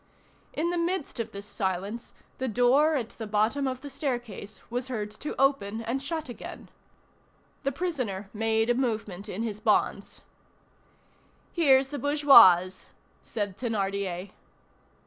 In the midst of this silence, the door at the bottom of the staircase was heard to open and shut again. The prisoner made a movement in his bonds. "Here's the bourgeoise," said Thénardier.